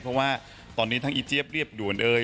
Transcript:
เพราะว่าตอนนี้ทั้งอีเจี๊ยบเรียบด่วนเอ่ย